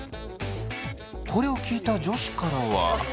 これを聞いた女子からは。